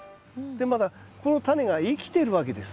でまだこのタネが生きてるわけです。